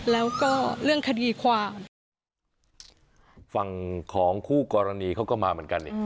แล้วก็เรื่องคดีความฝั่งของคู่กรณีเขาก็มาเหมือนกันเนี่ย